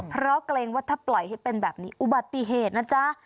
เพราะเกรงว่าถ้าปล่อยให้เป็นแบบนี้อุบัติเหตุนะจ๊ะ